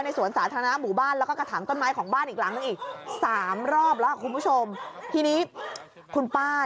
วิ่งออกมาแล้วมันยังไงต่อค่ะป้า